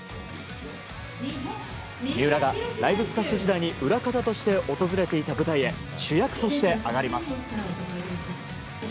三浦がライブスタッフ時代に裏方として訪れていた舞台へ主役として上がります。